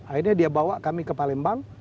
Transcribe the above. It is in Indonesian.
akhirnya dia bawa kami ke palembang